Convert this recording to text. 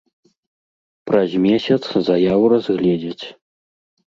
Праз месяц заяву разгледзяць.